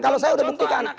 kalau saya sudah buktikan